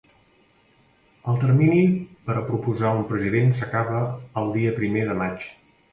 El termini per a proposar un president s’acaba el dia primer de maig.